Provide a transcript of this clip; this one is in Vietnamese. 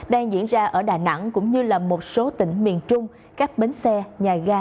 đang diễn ra ở đà nẵng cũng như là một số tỉnh miền trung các bến xe nhà ga